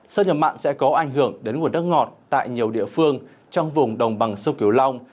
sơn nhập mặn sẽ có ảnh hưởng đến nguồn nước ngọt tại nhiều địa phương trong vùng đồng bằng sông kiều long